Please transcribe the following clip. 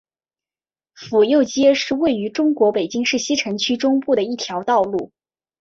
府右街是位于中国北京市西城区中部的一条道路。